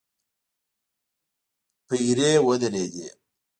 پيرې ودرېدې.